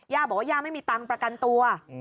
ย่าบอกว่าย่าไม่มีตังค์ประกันตัว